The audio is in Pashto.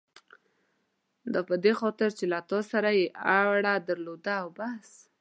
دا په دې خاطر چې له تا سره یې اړه درلوده او بس.